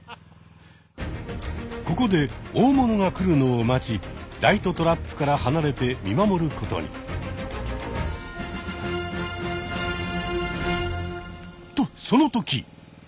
ここで大物が来るのを待ちライトトラップからはなれて見守ることに。とその時！